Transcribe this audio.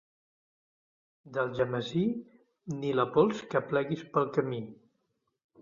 D'Algemesí, ni la pols que pleguis pel camí.